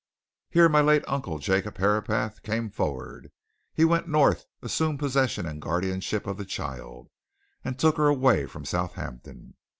"Here my late uncle, Jacob Herapath, came forward. He went north, assumed possession and guardianship of the child, and took her away from Southampton.